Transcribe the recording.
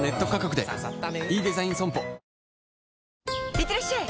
いってらっしゃい！